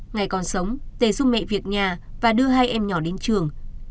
ngày còn sống tề giúp mẹ việc nhà và đưa hai em nhỏ đến trường